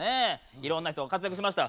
いろんな人が活躍しました。